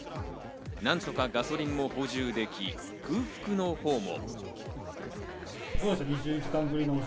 何とかガソリンも補充でき、空腹の方も。